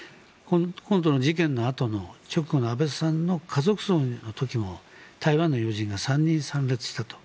今度の事件のあとの直後の安倍さんの家族葬の時も台湾の要人が３人参列したと。